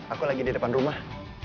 aku lagi di depan rumah